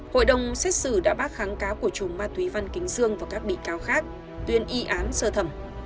hội đồng xét xử đã bác kháng cáo của chùm ma túy văn kính dương và các bị cáo khác tuyên y án sơ thẩm